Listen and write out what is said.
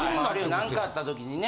何かあった時にね。